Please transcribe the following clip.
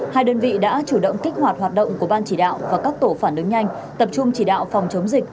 hai đơn vị đã chủ động kích hoạt hoạt động của ban chỉ đạo và các tổ phản ứng nhanh tập trung chỉ đạo phòng chống dịch